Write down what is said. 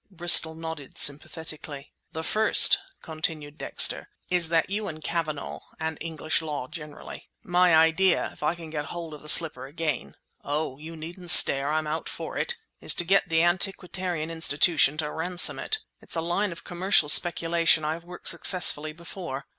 Bristol nodded sympathetically. "The first," continued Dexter, "is you and Cavanagh, and English law generally. My idea—if I can get hold of the slipper again—oh! you needn't stare; I'm out for it!—is to get the Antiquarian Institution to ransom it. It's a line of commercial speculation I have worked successfully before.